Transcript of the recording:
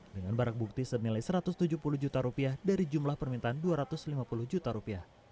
dengan barang bukti senilai rp satu ratus tujuh puluh juta dari jumlah permintaan rp dua ratus lima puluh juta